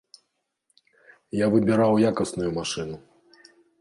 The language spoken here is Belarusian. Я выбіраў якасную машыну.